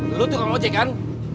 lo tukang dukang lojek kan